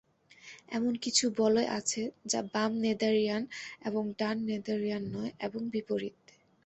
এমন কিছু বলয় আছে যা বাম-নেদারিয়ান এবং ডান-নেদারিয়ান নয়, এবং বিপরীত।